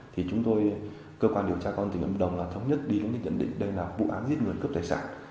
thì chúng tôi cơ quan điều tra công an tỉnh lâm đồng là thống nhất đi chúng tôi nhận định đây là vụ án giết người cướp tài sản